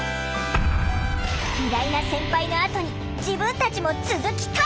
「偉大な先輩のあとに自分たちも続きたい！」。